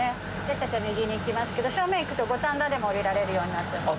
私たちは右に行きますけど正面行くと五反田でも降りられるようになってます。